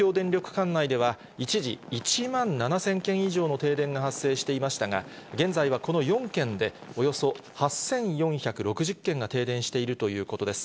管内では、一時、１万７０００軒以上の停電が発生していましたが、現在はこの４県で、およそ８４６０軒が停電しているということです。